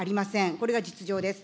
これが実情です。